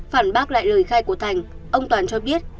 phản bác lại lời khai của thành ông toàn cho biết